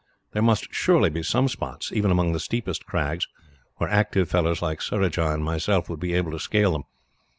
There must surely be some spots, even among the steepest crags, where active fellows like Surajah and myself would be able to scale them.